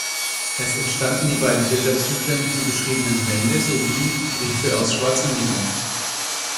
Es entstanden die beiden Bilderzyklen „Die beschriebenen Wände“ sowie „Briefe aus Schwarz-Indigo“.